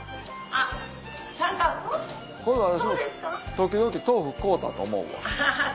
時々豆腐買うたと思うわ。